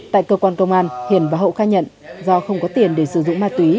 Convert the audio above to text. tại cơ quan công an hiền và hậu khai nhận do không có tiền để sử dụng ma túy